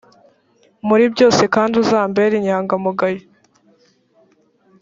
muri byose kandi uzambere inyangamugayo